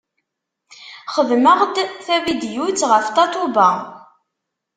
Xedmeɣ-d tavidyut ɣef Tatoeba.